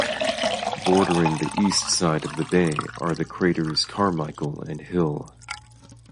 Bordering the east side of the bay are the craters Carmichael and Hill.